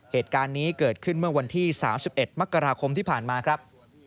เหตุการณ์นี้เกิดขึ้นเมื่อวันที่๓๑มกราคมที่ผ่านมาครับ